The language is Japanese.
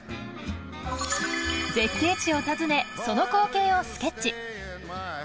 絶景地を訪ねその光景をスケッチ。